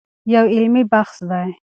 دا یو علمي بحث دی.